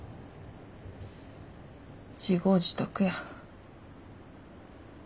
自業自得や。